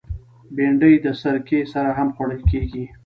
بېنډۍ د سرکه سره هم خوړل کېږي